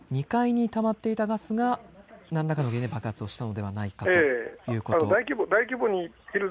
２階にたまっていたガスが何らかの原因で爆発をしたのではないかということ。